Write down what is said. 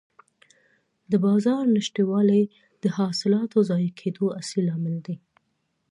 د بازار نشتوالی د حاصلاتو ضایع کېدو اصلي لامل دی.